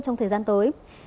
trong thời gian tới